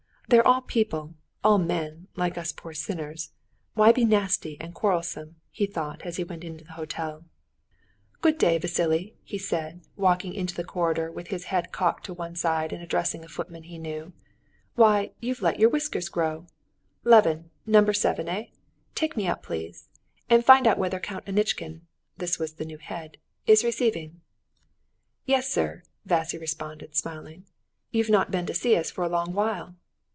"They're all people, all men, like us poor sinners; why be nasty and quarrelsome?" he thought as he went into the hotel. "Good day, Vassily," he said, walking into the corridor with his hat cocked on one side, and addressing a footman he knew; "why, you've let your whiskers grow! Levin, number seven, eh? Take me up, please. And find out whether Count Anitchkin" (this was the new head) "is receiving." "Yes, sir," Vassily responded, smiling. "You've not been to see us for a long while."